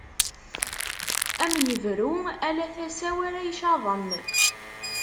Ad am-ibru, ala tasa-w ara icaḍen.